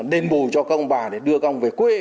đền bù cho các ông bà để đưa các ông về quê